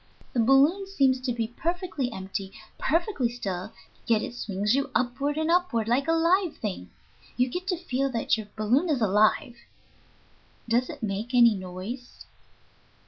The balloon seems to be perfectly empty, perfectly still, yet it swings you upward and upward like a live thing. You get to feel that your balloon is alive." "Does it make any noise?"